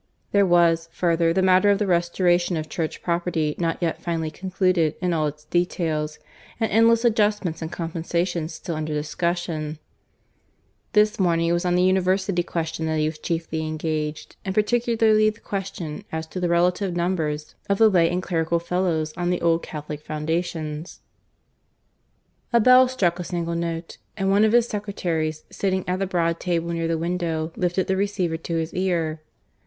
There was, further, the matter of the restoration of Church property not yet finally concluded in all its details, with endless adjustments and compensations still under discussion. This morning it was on the University question that he was chiefly engaged, and particularly the question as to the relative numbers of the lay and clerical Fellows on the old Catholic foundations. A bell struck a single note; and one of his secretaries, sitting at the broad table near the window, lifted the receiver to his ear.